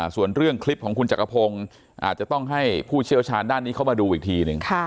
ส่วนเรื่องคลิปของคุณจักรพงศ์อาจจะต้องให้ผู้เชี่ยวชาญด้านนี้เข้ามาดูอีกทีหนึ่ง